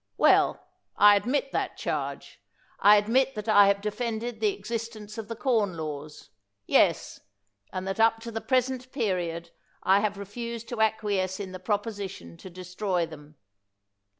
Well, I admit that charge — I admit that I have defended the exist ence of the Corn Laws — yes, and that up to the present period I have refused to acquiesce in the proposition to destroy them.